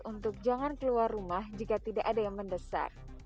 untuk jangan keluar rumah jika tidak ada yang mendesak